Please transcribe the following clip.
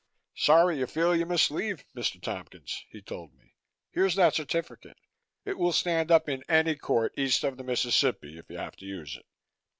"Sorry you feel you must leave, Mr. Tompkins," he told me. "Here's that certificate. It will stand up in any court east of the Mississippi if you have to use it.